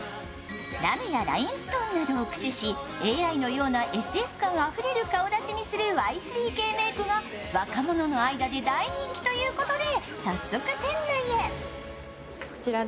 ラメやラインストーンなどを駆使しＡＩのようなＳＦ感あふれる顔だちにするＹ３Ｋメイクが若者の間で大人気ということで早速店内へ。